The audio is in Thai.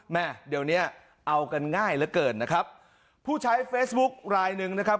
แม่เดี๋ยวเนี้ยเอากันง่ายเหลือเกินนะครับผู้ใช้เฟซบุ๊คลายหนึ่งนะครับ